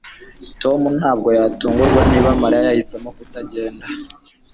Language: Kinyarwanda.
Tom ntabwo yatungurwa niba Mariya yahisemo kutagenda